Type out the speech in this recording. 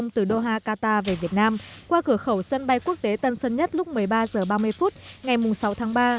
từ doha qatar về việt nam qua cửa khẩu sân bay quốc tế tân sơn nhất lúc một mươi ba h ba mươi phút ngày sáu tháng ba